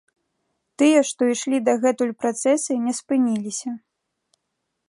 Тыя, што ішлі дагэтуль працэсы, не спыніліся.